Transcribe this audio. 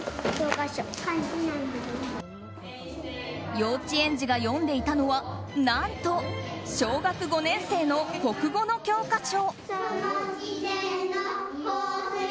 幼稚園児が読んでいたのは何と、小学５年生の国語の教科書。